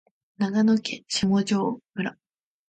長野県下條村